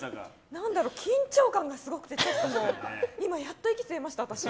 何だろう、緊張感がすごくてちょっと、今やっと息吸えました、私。